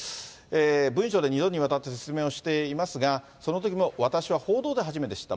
文書で２度にわたって説明をしていますが、そのときも私は報道で初めて知った。